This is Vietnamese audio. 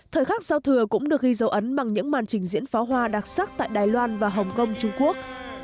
thời khắc giao thừa cũng được ghi dấu ấn bằng những màn trình diễn pháo hoa đặc sắc tại đài loan và hồng kông trung quốc